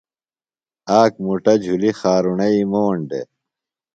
آک مُٹہ جُھلیۡ خارُرݨئی موݨ دےۡ۔